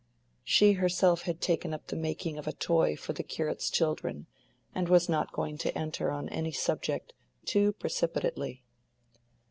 She herself had taken up the making of a toy for the curate's children, and was not going to enter on any subject too precipitately.